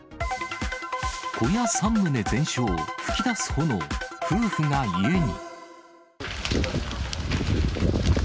小屋３棟全焼、噴き出す炎、夫婦が家に。